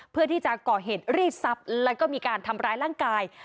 เพื่อที่จะก่อเหตุรีดทรัพย์แล้วก็มีการทำร้ายร่างกาย